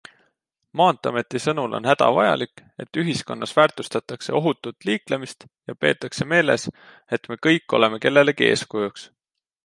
Maanteameti sõnul on hädavajalik, et ühiskonnas väärtustatakse ohutut liiklemist ja peetakse meeles, et me kõik oleme kellelegi eeskujuks.